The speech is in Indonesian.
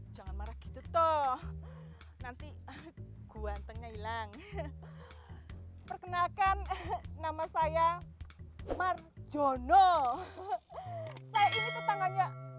jangan marah gitu toh nanti guantengnya hilang perkenalkan nama saya marjono saya ini tetangganya